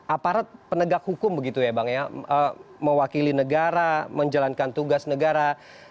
aparat penegak hukum begitu ya bang ya mewakili negara menjalankan tugas negara